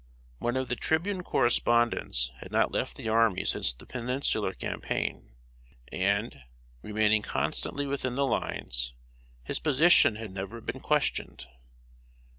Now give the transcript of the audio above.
One of the Tribune correspondents had not left the army since the Peninsular campaign, and, remaining constantly within the lines, his position had never been questioned.